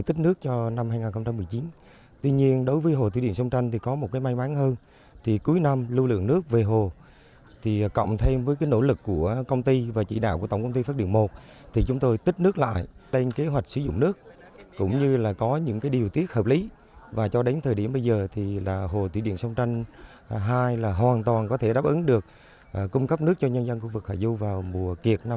tuy nhiên đối với hồ thủy điện sông tranh thì có một cái may mắn hơn thì cuối năm lưu lượng nước về hồ thì cộng thêm với cái nỗ lực của công ty và chỉ đạo của tổng công ty phát điện một thì chúng tôi tích nước lại tên kế hoạch sử dụng nước cũng như là có những cái điều tiết hợp lý và cho đến thời điểm bây giờ thì là hồ thủy điện sông tranh hai là hoàn toàn có thể đáp ứng được cung cấp nước cho nhân dân khu vực hải dâu vào mùa kiệt năm hai nghìn một mươi chín